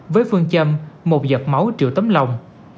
với phương châm một giọt máu triệu tấm lòng